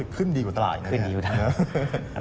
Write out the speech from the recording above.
ขึ้นดีกว่าตลาดอย่างงี้นะครับครับ